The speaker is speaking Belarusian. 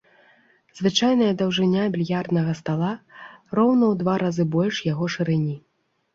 Звычайна даўжыня більярднага стала роўна ў два разы больш яго шырыні.